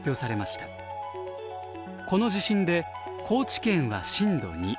この地震で高知県は震度２。